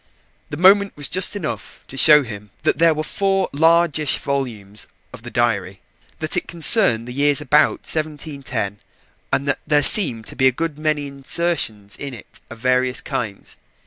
The moment was just enough to show him that there were four largish volumes of the diary that it concerned the years about 1710, and that there seemed to be a good many insertions in it of various kinds.